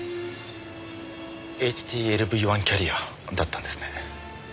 ＨＴＬＶ‐１キャリアだったんですね。